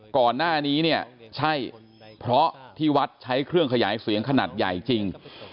ก่อนหน้านี้เนี่ยใช่เพราะที่วัดใช้เครื่องขยายเสียงขนาดใหญ่จริง